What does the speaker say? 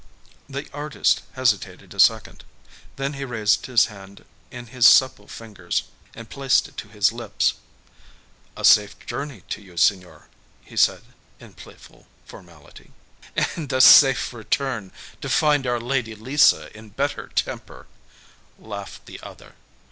The artist hesitated a second. Then he raised the hand in his supple fingers and placed it to his lips. "A safe journey to you, Signor," he said, in playful formality. "And a safe return, to find our Lady Lisa in better temper," laughed the other.